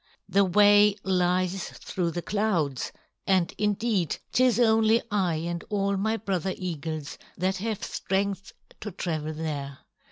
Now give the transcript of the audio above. The way lies through the clouds, and indeed, 'tis only I and all my brother eagles that have strength to travel there.